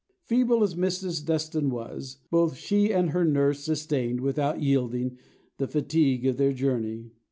Feeble as Mrs. Dustan was, both she and her nurse sustained, without yielding, the fatigue of the journey.